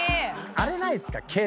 あれないっすか？